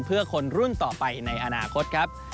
เพื่อคนรุ่นต่อไปในอนาคตครับ